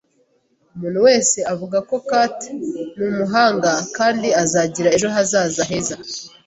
Umuntu wese avuga ko Kate numuhanga kandi azagira ejo hazaza heza